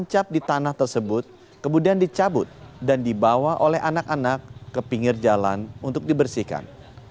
kecap di tanah tersebut kemudian dicabut dan dibawa oleh anak anak ke pinggir jalan untuk dibersihkan